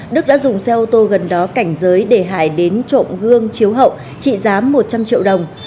đức đã dùng xe ô tô gần đó cảnh giới để hải đến trộm gương chiếu hậu trị giá một trăm linh triệu đồng